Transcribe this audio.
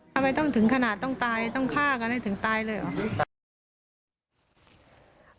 ทำไมต้องถึงขนาดต้องตายต้องฆ่ากันให้ถึงตายเลยเหรอ